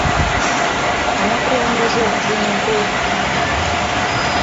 Amakwenezo ze nkwe.